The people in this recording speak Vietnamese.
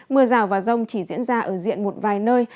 mưa rào và rông chỉ diễn ra ở diện một vài nơi